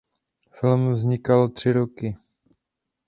Film vznikal tři roky.